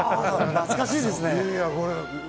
懐かしいですね！